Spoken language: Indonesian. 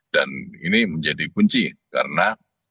dan ini menjadi kunci karena